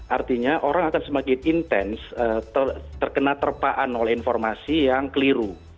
artinya orang akan semakin intens terkena terpaan oleh informasi yang keliru